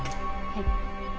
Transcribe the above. はい。